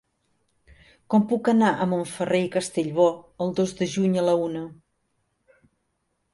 Com puc anar a Montferrer i Castellbò el dos de juny a la una?